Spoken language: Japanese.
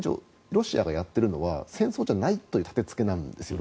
ロシアがやっているのは戦争じゃないという建付けなんですよ。